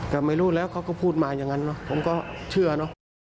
ก็ไม่รู้แล้วเขาก็พูดมาอย่างนั้นเนอะผมก็เชื่อเนอะ